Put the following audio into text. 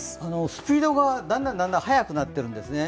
スピードがだんだん速くなっているんですね。